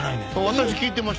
私聞いてました。